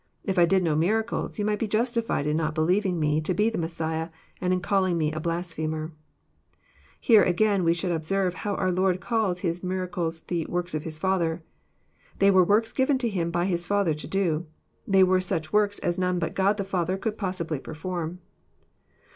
If I did no miracles, yon might be jastifled in not believing Me to be the Messiah, and in calling Me a blasphemer." Here, again, we should observe how our Lord calls His mira cles the '' works of His Father." They were works given to Him by His Father to do. They were such works as none bnt God the Father could possibly perform.